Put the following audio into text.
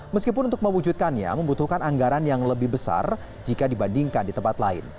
meskipun untuk mewujudkannya membutuhkan anggaran yang lebih besar jika dibandingkan di tempat lain